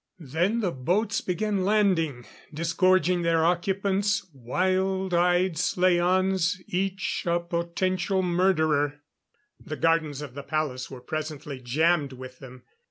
Then the boats began landing, disgorging their occupants, wild eyed slaans each a potential murderer. The gardens of the palace were presently jammed with them.